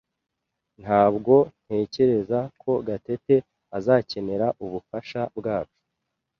Ntabwo ntekereza ko Gatete azakenera ubufasha bwacu.